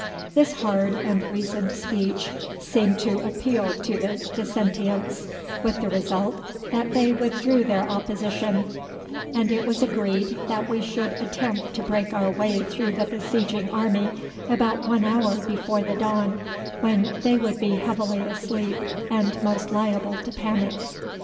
This hard and reasoned speech seemed to appeal to the dissentients, with the result that they withdrew their opposition, and it was agreed that we should attempt to break our way through the besieging army about one hour before the dawn, when they would be heavily asleep and most liable to panic.